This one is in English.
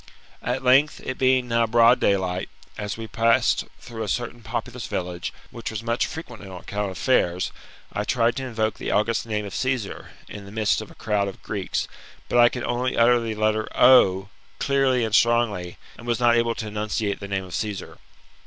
At length, it being now bright daylight, as we passed through a certain populous village, which was much frequented on account of fairs, I tried to invoke the august name of Csesar, in the midst of a crowd of Greeks, but I could only utter the letter O ! clearly and strongly, and was not able to enunciate the name of Cassar.